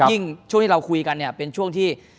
ช่วงที่เราคุยกันเนี่ยเป็นช่วงที่